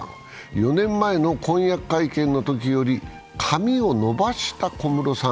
４年前の婚約会見のときより髪を伸ばした小室さん。